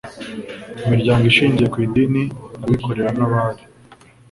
imiryango ishingiye ku idini abikorera n abari